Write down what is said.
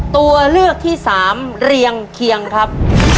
ตัวเลือกที่สามเรียงเคียงครับ